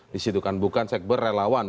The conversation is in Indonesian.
di situ kan bukan sekber relawan